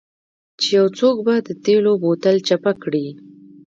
چې یو څوک به د تیلو بوتل چپه کړي